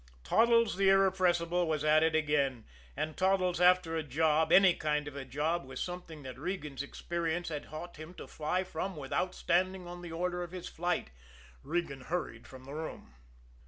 Toddles, the irrepressible, was at it again and Toddles after a job, any kind of a job, was something that Regan's experience had taught him to fly from without standing on the order of his flight. Regan hurried from the room.